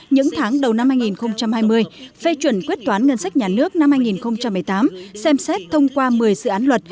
những tháng đầu năm hai nghìn hai mươi phê chuẩn quyết toán ngân sách nhà nước năm hai nghìn một mươi tám xem xét thông qua một mươi dự án luật